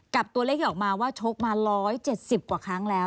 กับตัวเลขที่ออกมาว่าชกมา๑๗๐กว่าครั้งแล้ว